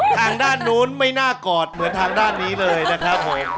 ทางด้านนู้นไม่น่ากอดเหมือนทางด้านนี้เลยนะครับผม